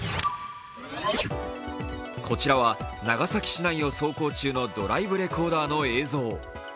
こちらは長崎市内を走行中のドライブレコーダーの映像。